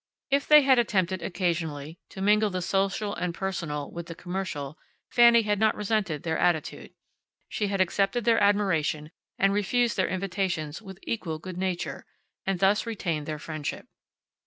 If they had attempted, occasionally, to mingle the social and personal with the commercial Fanny had not resented their attitude. She had accepted their admiration and refused their invitations with equal good nature, and thus retained their friendship.